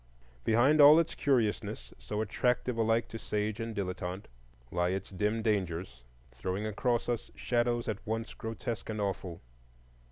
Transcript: Behind all its curiousness, so attractive alike to sage and dilettante, lie its dim dangers, throwing across us shadows at once grotesque and awful.